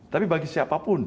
tapi bagi siapapun